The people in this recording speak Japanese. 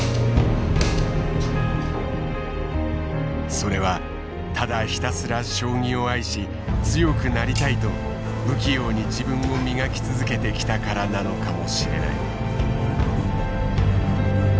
それはただひたすら将棋を愛し強くなりたいと不器用に自分を磨き続けてきたからなのかもしれない。